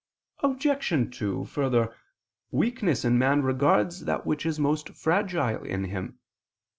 Obj. 2: Further, weakness in man regards that which is most fragile in him.